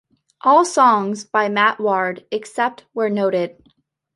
All songs by Matt Ward except where noted.